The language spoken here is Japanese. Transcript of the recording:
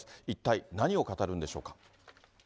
一体何を語るんでしょうか。